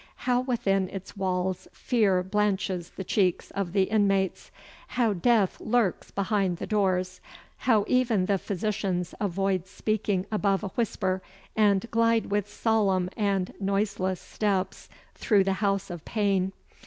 How within its walls fear blanches the cheeks of the inmates, how Death lurks behind the doors, how even the physicians avoid speaking above a whisper and glide with solemn and noiseless steps through the house of pain!